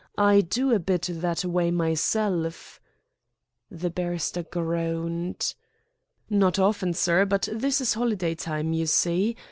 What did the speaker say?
I do a bit that way myself " The barrister groaned. "Not often, sir, but this is holiday time, you see.